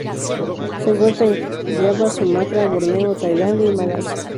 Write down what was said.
Se encuentra en Java, Sumatra, Borneo, Tailandia y Malasia.